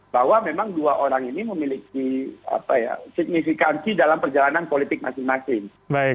bahwa memang dua orang ini memiliki signifikansi dalam perjalanan politik masing masing